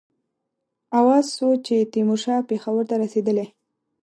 آوازه سوه چې تیمورشاه پېښور ته رسېدلی.